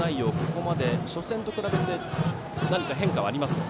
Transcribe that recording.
ここまで初戦と比べて何か変化はありますか。